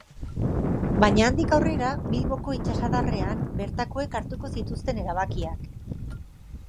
Baina handik aurrera, Bilboko itsasadarrean bertakoek hartuko zituzten erabakiak.